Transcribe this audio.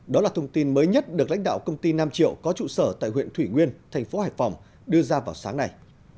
đó là thông tin mới nhất được lãnh đạo công ty nam triệu có trụ sở tại huyện thủy nguyên thành phố hải phòng đưa ra vào sáng nay